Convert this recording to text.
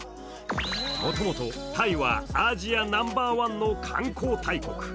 もともとタイはアジアナンバーワンの観光大国。